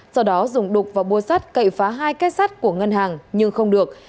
sau đó dùng đục và búa sắt cậy phá hai cái sắt của ngân hàng nhưng không được